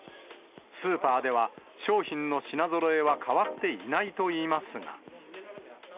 スーパーでは、商品の品ぞろえは変わっていないといいますが。